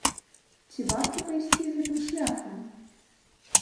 Ці варта пайсці гэтым шляхам?